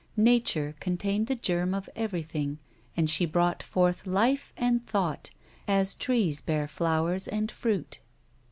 Nature contained the germ of everything, and she brought forth life and thought, as trees bear flowers and fruit.